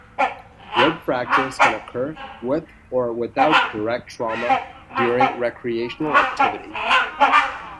Rib fractures can occur with or without direct trauma during recreational activity.